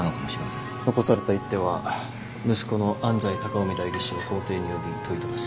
残された一手は息子の安斎高臣代議士を法廷に呼び問いただす。